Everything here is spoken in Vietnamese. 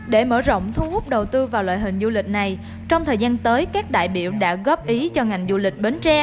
để mở rộng thu hút đầu tư vào loại hình du lịch này trong thời gian tới các đại biểu đã góp ý cho ngành du lịch bến tre